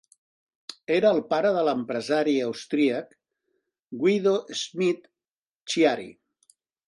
Era el pare de l'empresari austríac Guido Schmidt-Chiari.